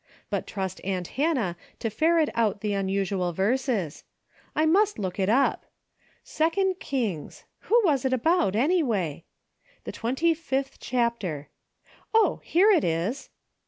But trust aunt Hannah to ferret out the unusual verses. I must look it up. Second Kings : who was it about, anyway ? The twenty fifth chapter. Oh ! here it is